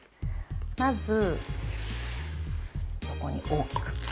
まず横に大きく。